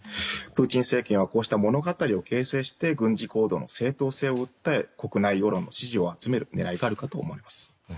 プーチン政権はこうした物語を形成して軍事行動の正当性を訴え国内世論の支持を集める狙いがあると思います。